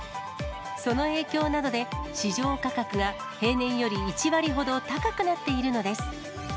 その影響などで、市場価格が平年より１割ほど高くなっているのです。